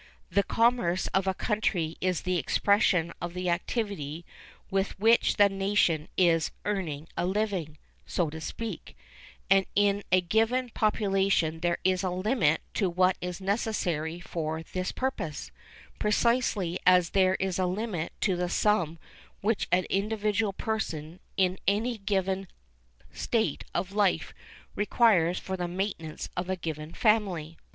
The commerce of a country is the expression of the activity with which the nation is 'earning its living,' so to speak, and in a given population there is a limit to what is necessary for this purpose, precisely as there is a limit to the sum which an individual person in any given state of life requires for the maintenance of a given family.